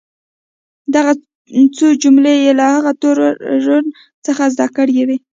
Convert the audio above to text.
دغه څو جملې یې له هغه تورن څخه زده کړې وې.